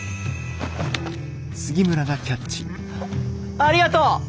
ありがとう！